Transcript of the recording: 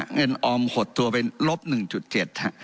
เงินออมหดตัวเป็นลบ๑๗ครับ